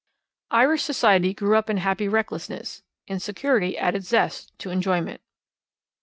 Irish Society grew up in happy recklessness. Insecurity added zest to enjoyment.